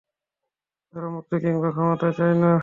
তারা মুক্তি কিংবা ক্ষমতা চায় না!